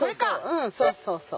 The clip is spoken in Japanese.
うんそうそうそう。